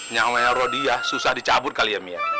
nyawanya rodia susah dicabut kali ya mi ya